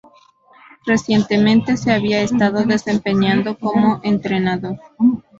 Recientemente se había estado desempeñando como entrenador.